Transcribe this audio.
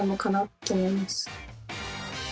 って思いました